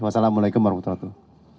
wassalamualaikum warahmatullahi wabarakatuh